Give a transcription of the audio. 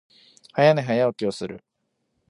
早寝、早起きをする。